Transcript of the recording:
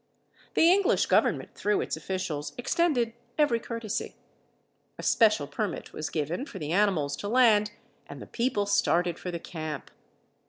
The English government, through its officials, extended every courtesy. A special permit was given for the animals to land, and the people started for the camp.